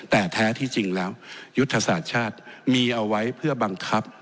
แต่แท้ที่จริงแล้วยุทธศาสตร์ชาติมีเอาไว้เพื่อบังคับ